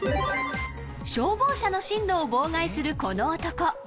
［消防車の進路を妨害するこの男］